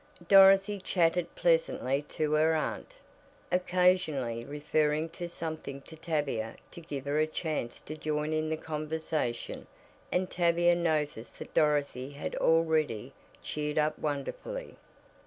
Dorothy chatted pleasantly to her aunt, occasionally referring to something to Tavia to give her a chance to join in the conversation and Tavia noticed that Dorothy had already cheered up wonderfully.